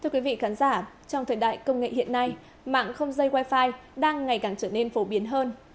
thưa quý vị khán giả trong thời đại công nghệ hiện nay mạng không dây wifi đang ngày càng trở nên phổ biến hơn